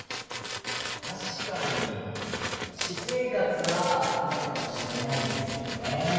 確かに私生活は駄目かもしれないですけどね。